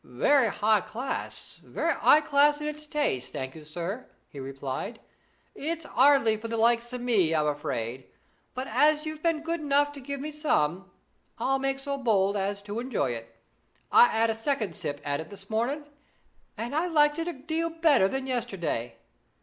'Very 'igh class, very 'igh class in its taste, thank you, sir,' he replied. 'It's 'ardly for the likes o' me, I'm afraid; but as you've been good enough to give me some, I'll make so bold as to enjoy it. I 'ad a second sip at it this morning, and I liked it a deal better than yesterday.